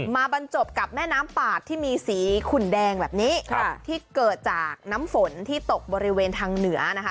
บรรจบกับแม่น้ำปาดที่มีสีขุนแดงแบบนี้ครับที่เกิดจากน้ำฝนที่ตกบริเวณทางเหนือนะคะ